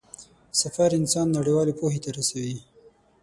سفر انسان نړيوالې پوهې ته رسوي.